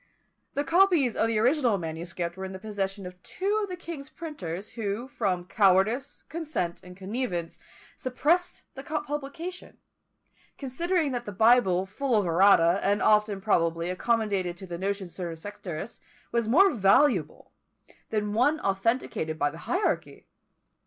The copies of the original manuscript were in the possession of two of the king's printers, who, from cowardice, consent, and connivance, suppressed the publication; considering that the Bible full of errata, and often, probably, accommodated to the notions of certain sectarists, was more valuable than one authenticated by the hierarchy!